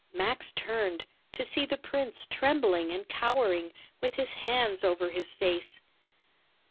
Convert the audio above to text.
Max turned, to see the prince trembling and cowering, with his hands over his face.